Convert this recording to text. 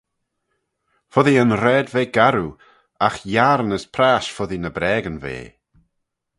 Foddee yn raad ve garroo agh yiarn as prash foddee ny braagyn ve.